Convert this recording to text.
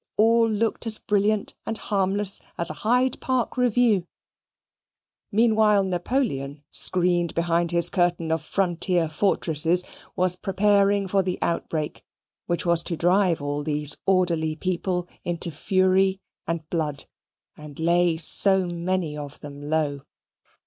All looked as brilliant and harmless as a Hyde Park review. Meanwhile, Napoleon screened behind his curtain of frontier fortresses, was preparing for the outbreak which was to drive all these orderly people into fury and blood; and lay so many of them low.